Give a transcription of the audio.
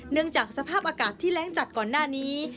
เนื่องจากสภาพอากาศที่แรงจัดก่อนหน้านี้